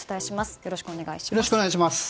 よろしくお願いします。